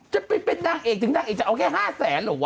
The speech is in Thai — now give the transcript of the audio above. จะเป็นนังเอกจึงนังเอกจะเอาแค่๕๐๐๐๐๐หรือวะ